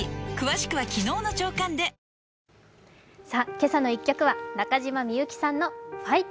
「けさの１曲」は中島みゆきさんの「ファイト！」。